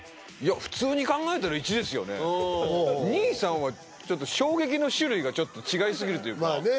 ２３はちょっと衝撃の種類がちょっと違いすぎるというかまあね